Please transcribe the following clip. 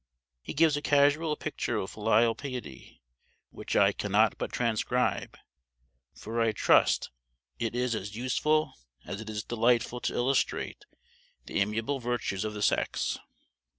He gives a casual picture of filial piety which I cannot but transcribe; for I trust it is as useful as it is delightful to illustrate the amiable virtues of the sex.